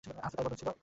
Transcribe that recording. আজ তো তাই বোধ হচ্ছে।